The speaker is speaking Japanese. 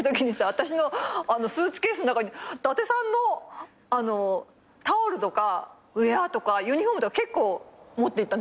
私のスーツケースの中に伊達さんのタオルとかウエアとかユニホームとか結構持っていったんだよね。